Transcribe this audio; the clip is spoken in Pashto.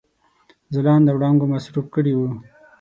ځلانده وړانګو مصروف کړي وه.